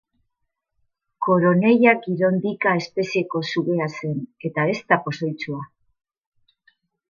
Coronella girondica espezieko sugea zen eta ez da pozoitsua.